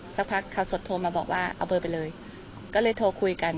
สักพักข่าวสดโทรมาบอกว่าเอาเบอร์ไปเลยก็เลยโทรคุยกัน